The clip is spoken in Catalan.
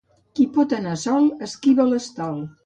Qui pot anar sol esquiva l'estol.